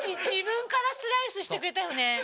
自分からスライスしてくれたよね。